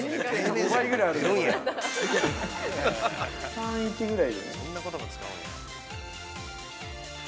３分の１ぐらい。